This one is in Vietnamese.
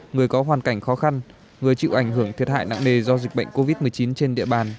người có hoàn cảnh khó khăn người chịu ảnh hưởng thiệt hại nặng nề do dịch bệnh covid một mươi chín trên địa bàn